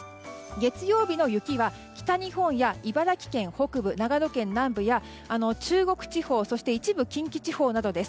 月曜日の雪は北日本や茨城県北部長野県南部や中国地方そして一部近畿地方などです。